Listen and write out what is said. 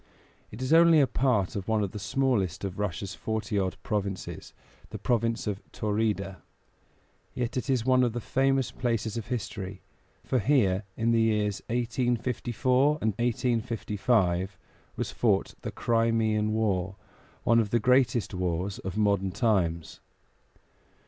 It is only a part of one of the smallest of Russia's forty odd provinces, the province of Taurida; yet it is one of the famous places of history, for here, in the years 1854 and 1855, was fought the Crimean War, one of the greatest wars of modern times.